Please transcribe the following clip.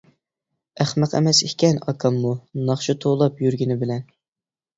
ئەخمەق ئەمەس ئىكەن ئاكاممۇ، ناخشا توۋلاپ يۈرگىنى بىلەن.